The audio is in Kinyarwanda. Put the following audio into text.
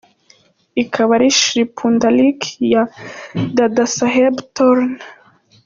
Ikaba ari Shree Pundalik ya Dadasaheb Torne.